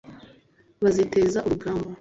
baziteza urugamba